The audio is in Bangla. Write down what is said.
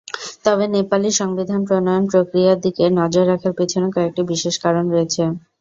তবে নেপালি সংবিধান প্রণয়ন-প্রক্রিয়ার দিকে নজর রাখার পেছনে কয়েকটি বিশেষ কারণ রয়েছে।